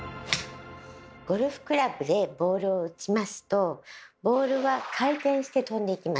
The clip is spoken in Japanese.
ゴルフクラブでボールを打ちますとボールは回転して飛んでいきます。